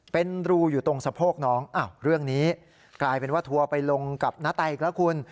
เป็นรูอยู่ตรงสะโพกน้องเรื่องนี้กลายเป็นว่าทัวร์ไปลงกับณแตอีกแล้วคุณ